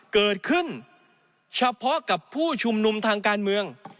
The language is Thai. เกิดขึ้นเฉพาะกับผู้ชุมนุมทางการเมือง